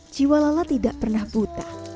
jiwa lala tidak pernah buta